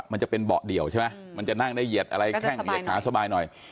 มันจะเป็นเบาะเดี่ยวใช่ไหมมันจะนั่งได้เหยียดอะไรแข้งเหยียดขาสบายหน่อย